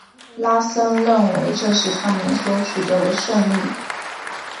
拉森认为这是他们所取得的胜利。